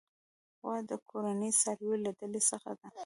غوا د کورني څارويو له ډلې څخه ده.